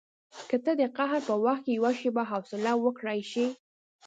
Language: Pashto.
که ته د قهر په وخت کې یوه شېبه حوصله وکړای شې.